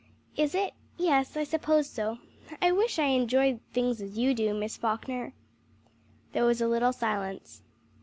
"Is it? Yes, I suppose so. I wish I enjoyed things as you do, Miss Falkner." There was a little silence.